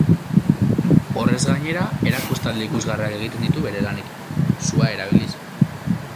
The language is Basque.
Horrez gainera, erakustaldi ikusgarriak egiten ditu bere lanekin, sua erabiliz.